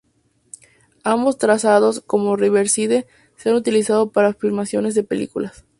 Ambos trazados, como Riverside, se han utilizado para filmaciones de películas.